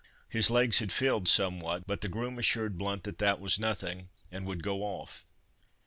His legs had filled somewhat, but the groom assured Blount that that was nothing, and would go off.